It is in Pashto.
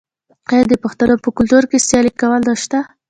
آیا د پښتنو په کلتور کې سیالي کول نشته؟